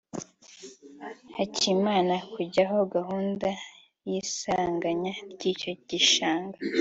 Hakimara kujyaho gahunda y’isaranganya ry’icyo gishanga